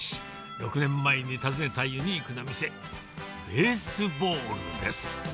６年前に訪ねたユニークな店、ベースボールです。